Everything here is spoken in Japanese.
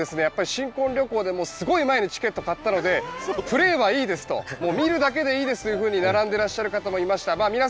新婚旅行でもすごい前にチケットを買ったのでちょっとプレーはいいですともう見るだけでいいですというふうに並んでいらっしゃる方もいました。